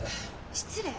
失礼？